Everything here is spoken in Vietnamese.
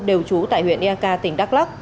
đều trú tại huyện ek tỉnh đắk lắk